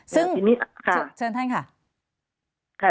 ซึ่งเชิญให้ค่ะ